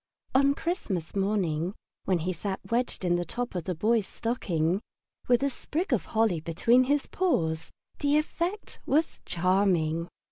On Christmas morning, when he sat wedged in the top of the Boy's stocking, with a sprig of holly between his paws, the effect was charming.